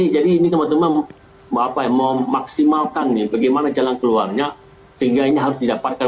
jadi ini teman teman mau maksimalkan nih bagaimana jalan keluarnya sehingga ini harus didapatkan